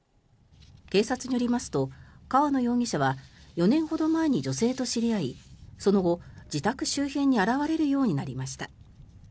警察によりますと河野容疑者は４年ほど前に女性と知り合いその後、自宅周辺に現れるようになりました。